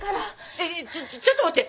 ええちょちょっと待って。